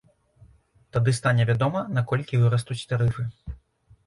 Тады стане вядома, на колькі вырастуць тарыфы.